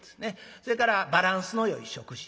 それからバランスのよい食事。